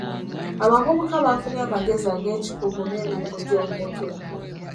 Abavubuka bafunye amagezi ag'ekikugu n'emirimu gy'omu mutwe.